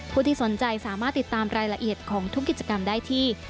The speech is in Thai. ผู้ที่สนใจสามารถติดตามรายละเอียดของทุกกิจกรรมได้ที่